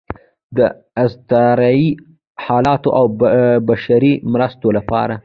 د اضطراري حالاتو او بشري مرستو لپاره